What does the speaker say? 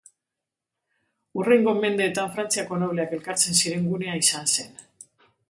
Hurrengo mendeetan Frantziako nobleak elkartzen ziren gunea izan zen.